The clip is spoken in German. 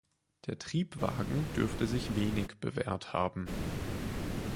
Der Triebwagen dürfte sich wenig bewährt haben.